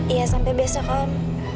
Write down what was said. iya sampai besok om